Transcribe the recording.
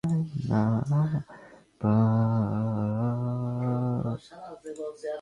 মানে জাদুর মন্ত্র?